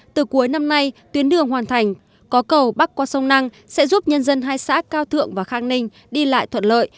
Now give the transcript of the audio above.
từ cuối năm nay tuyến đường hoàn thành có cầu bắc qua sông năng sẽ giúp nhân dân hai xã cao thượng và khang ninh đi lại thuận lợi